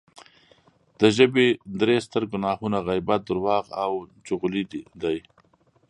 د ژبې درې ستر ګناهونه غیبت، درواغ او چغلي دی